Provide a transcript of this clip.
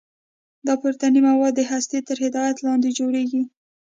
دا پروتیني مواد د هستې تر هدایت لاندې جوړیږي.